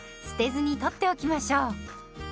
捨てずに取っておきましょう。